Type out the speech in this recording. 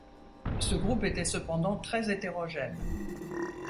Ce groupe était cependant très hétérogène.